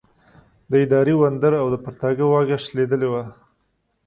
د اداري وندر او د پرتاګه واګه شلېدلې ده.